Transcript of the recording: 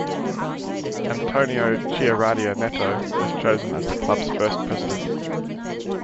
Antônio Chiaradia Neto was chosen as the club's first president.